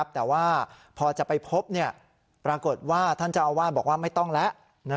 แต่ว่าพอจะไปพบปรากฏว่าท่านเจ้าอาวาสบอกว่าไม่ต้องแล้ว